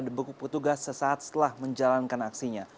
dibekuk petugas sesaat setelah menjalankan aksinya